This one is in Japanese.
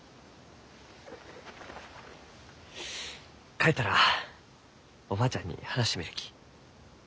帰ったらおばあちゃんに話してみるき。